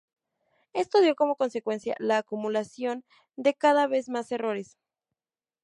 Esto dio como consecuencia la acumulación de cada vez más errores.